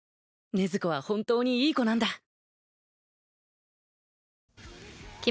禰豆子は本当にいい子なんだ。